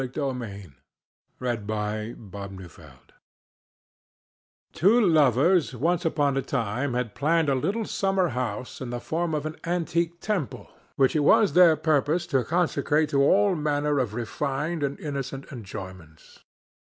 THE LILY'S QUEST AN APOLOGUE Two lovers once upon a time had planned a little summer house in the form of an antique temple which it was their purpose to consecrate to all manner of refined and innocent enjoyments.